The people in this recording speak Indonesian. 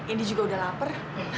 indi juga udah lapar